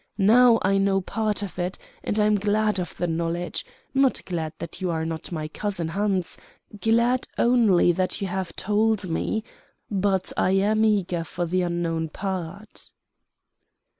Now I know part of it; and I am glad of the knowledge not glad that you are not my cousin Hans; glad only that you have told me. But I am eager for the unknown part."